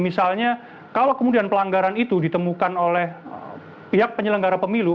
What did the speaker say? misalnya kalau kemudian pelanggaran itu ditemukan oleh pihak penyelenggara pemilu